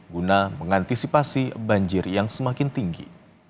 guna mengantisipasi banjir yang semakin tinggi